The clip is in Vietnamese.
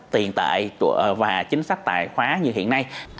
tiền tệ và chính sách tài khoá như hiện nay